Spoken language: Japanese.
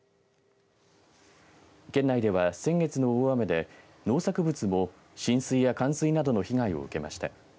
県内では、先月の大雨で農作物も浸水や冠水などの被害を受けました。